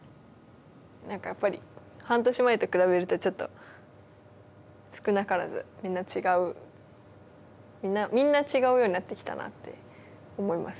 やっぱり半年前と比べるとちょっと少なからずみんな違うみんな違うようになってきたなって思います